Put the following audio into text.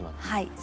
はい。